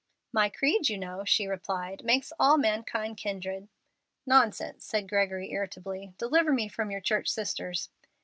"My creed, you know," she replied, "makes all mankind kindred." "Nonsense!" said Gregory, irritably; "deliver me from your church sisters."